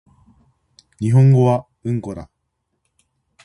日本語はうんこだ